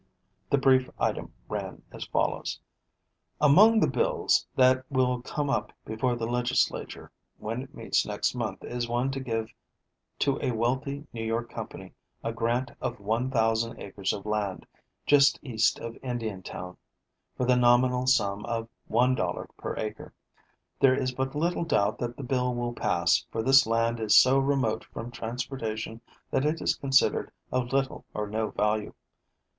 The brief item ran as follows: "Among the bills that will come up before the legislature when it meets next month is one to give to a wealthy New York company a grant of one thousand acres of land, just east of Indiantown, for the nominal sum of $1 per acre. There is but little doubt that the bill will pass, for this land is so remote from transportation that it is considered of little or no value.